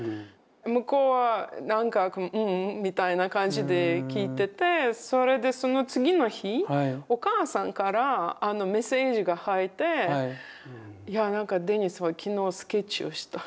向こうはなんか「うん」みたいな感じで聞いててそれでその次の日お母さんからメッセージが入っていやなんかデニスは昨日スケッチをした。